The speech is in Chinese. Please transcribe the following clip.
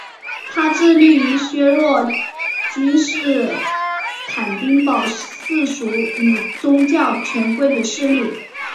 他致力于削弱君士坦丁堡世俗与宗教权贵的势力。